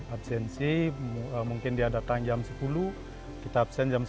absensi mungkin dia datang jam sepuluh kita absen jam sepuluh